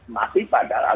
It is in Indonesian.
masih pada alam